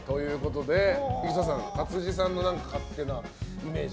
生田さん勝地さんの勝手なイメージ。